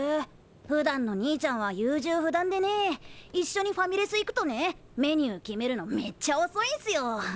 ふだんの兄ちゃんは優柔不断でねいっしょにファミレス行くとねメニュー決めるのめっちゃおそいんすよ。